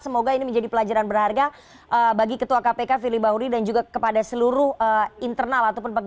semoga ini menjadi pelajaran berharga bagi ketua kpk fili bahuri dan juga kepada seluruh internal ataupun pegawai